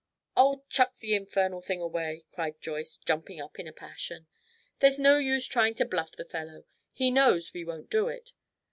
"Oh, chuck the infernal thing away!" cried Joyce, jumping up in a passion. "There's no use trying to bluff the fellow. He knows we won't do it.